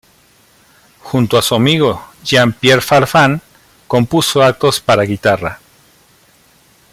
Junto a su amigo Jean Pierre Farfán compuso actos para guitarra.